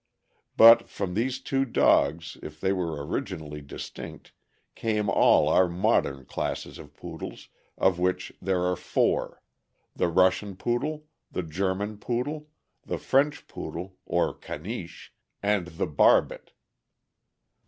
But from these two dogs, if they were originally distinct, came all our modern classes of Poodles, of which there are four — the Russian Poodle, the German Poodle, the French Poo dle, or Caniche, and the Barbet.